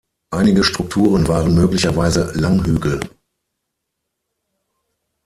Einige Strukturen waren möglicherweise Langhügel.